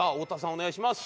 お願いします。